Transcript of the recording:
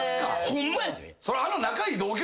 ホンマやで。